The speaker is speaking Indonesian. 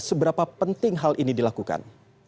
seberapa penting hal ini dilakukan